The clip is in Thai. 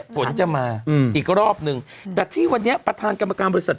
ฝนจะมาอีกรอบนึงแต่ที่วันนี้ประธานกรรมการบริษัท